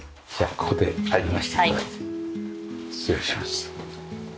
失礼します。